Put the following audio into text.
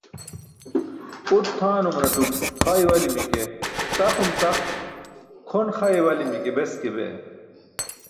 Uṭ tʰaanumatum xa iwali̇mi̇ ke taqum taq, kʰon xa iwali̇mi̇ ke beske bee.